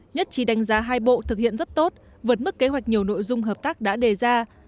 nhất trí đánh giá hai bộ thực hiện rất tốt vượt mức kế hoạch nhiều nội dung hợp tác đã đề ra